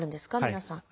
皆さん。